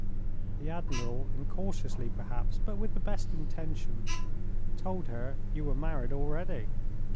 The admiral, incautiously perhaps, but with the best intentions, told her you were married already.